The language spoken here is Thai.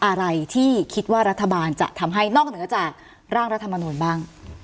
อะไรที่คิดว่ารัฐบาลจะทำให้นอกเหนือจากร่างรัฐมนูลบ้าง